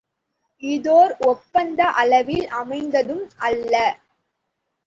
இஃதோர் ஒப்பந்த அளவில் அமைந்ததும் அல்ல.